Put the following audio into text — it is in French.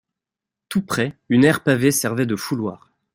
Tout près, une aire pavée servait de fouloir.